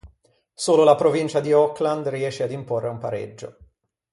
Solo la provincia di Auckland riesce ad imporre un pareggio.